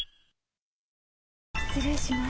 失礼します。